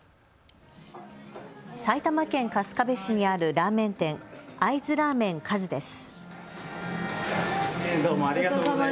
埼玉県春日部市にあるラーメン店、会津ラーメン和です。